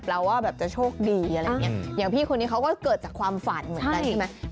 ว่าแบบจะโชคดีอะไรอย่างนี้อย่างพี่คนนี้เขาก็เกิดจากความฝันเหมือนกันใช่ไหม